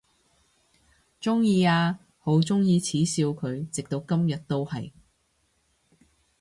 鍾意啊，好鍾意恥笑佢，直到今日都係！